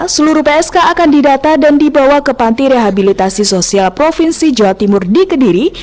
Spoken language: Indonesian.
seluruh psk akan didata dan dibawa ke panti rehabilitasi sosial provinsi jawa timur di kediri